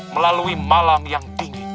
melalui malam yang dingin